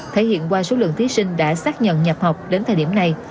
thể hiện qua số lượng thí sinh đã xác nhận nhập học đến thời điểm này